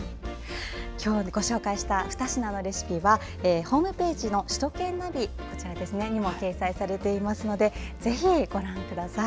今日ご紹介した２品のレシピはホームページの首都圏ナビにも掲載されていますのでぜひ、ご覧ください。